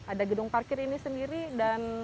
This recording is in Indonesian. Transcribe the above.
ada gedung parkir ini sendiri dan